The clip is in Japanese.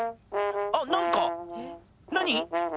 あっ何か何？